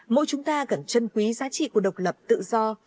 mỗi chúng ta cần trân quý giá trị của độc lập tự do